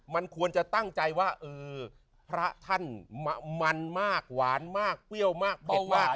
มันควรจะตั้งใจว่าเออพระท่านมันมากหวานมากเปรี้ยวมากเด็ดมาก